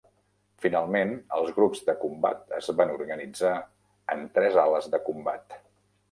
Finalment, els grups de combat es van organitzar en tres ales de combat.